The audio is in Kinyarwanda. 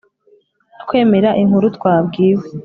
kwemera inkuru twabwiwe